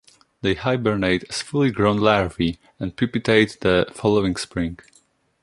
They hibernate as fully-grown larvae and pupate the following spring.